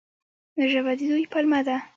ژبه د دوی پلمه ده.